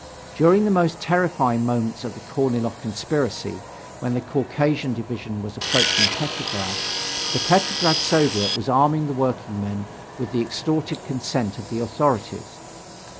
During the most terrifying moments of the Korniloff conspiracy, when the Caucasian division was approaching Petrograd, the Petrograd Soviet was arming the workingmen with the extorted consent of the authorities.